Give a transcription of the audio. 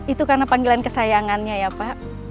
itu karena panggilan kesayangannya ya pak